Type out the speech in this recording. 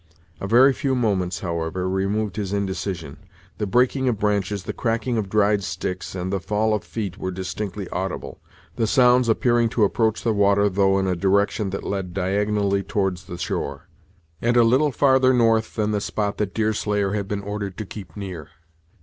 A very few moments, however, removed his indecision. The breaking of branches, the cracking of dried sticks, and the fall of feet were distinctly audible; the sounds appearing to approach the water though in a direction that led diagonally towards the shore, and a little farther north than the spot that Deerslayer had been ordered to keep near.